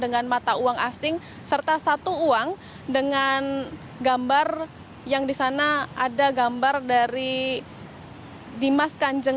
dengan mata uang asing serta satu uang dengan gambar yang di sana ada gambar dari dimas kanjeng